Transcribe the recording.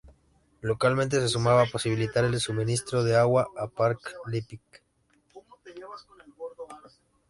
Localmente se sumaba posibilitar el suministro de agua a Pakrac y Lipik.